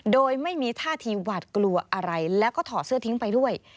โดยไม่มีท่าทีหวาดกลัวอะไรแล้วก็ถอดเสื้อทิ้งไปด้วย